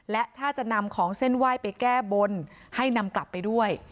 และถ้าจะนำของเส้นไหว้ไปแก้บนให้นำกลับไปด้วย